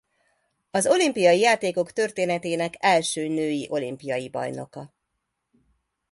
Az olimpiai játékok történetének első női olimpiai bajnoka.